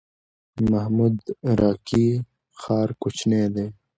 محمود راقي ښار کوچنی دی؟